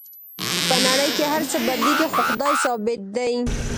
په نړۍ کې هر څه بدلیږي خو خدای ثابت دی